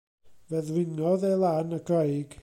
Fe ddringodd e lan y graig.